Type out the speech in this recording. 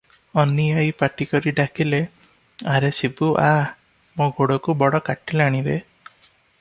ଅନୀ ଆଈ ପାଟି କରି ଡାକିଲେ, "ଆରେ ଶିବୁ, ଆ, ମୋ ଗୋଡ଼କୁ ବଡ଼ କାଟିଲାଣି ରେ!"